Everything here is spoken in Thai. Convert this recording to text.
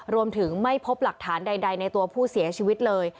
รวมถึงไม่พบหลักฐานใดในตัวผู้เสียชีวิตเลย